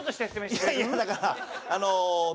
いやいやだからあのどう？